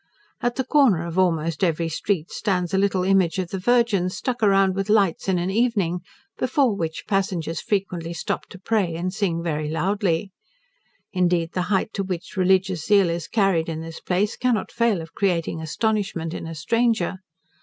At the corner of almost every street stands a little image of the Virgin, stuck round with lights in an evening, before which passengers frequently stop to pray and sing very loudly. Indeed, the height to which religious zeal is carried in this place, cannot fail of creating astonishment in a stranger.